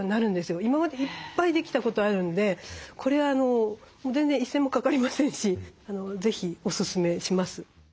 今までいっぱいできたことあるのでこれは全然一銭もかかりませんし是非おすすめします。